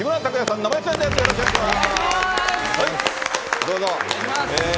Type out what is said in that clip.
どうぞ。